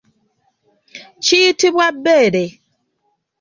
Kiyitibwa bbeere.